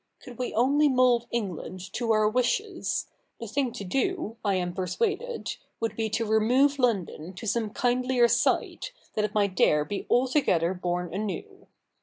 Could we only mould England to our wishes, the thing to do, I am persuaded, would be to \ remove London to some kindlier site, that it might there be altogether born anew.